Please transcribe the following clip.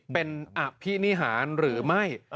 เป็นอภินิหารหรือไม่